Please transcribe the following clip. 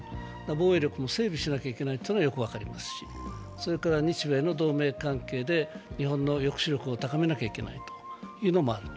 防衛力も整備しなきゃいけないというのはよく分かりますし、日米の同盟関係で日本の抑止力を高めなきゃいけないというのもある。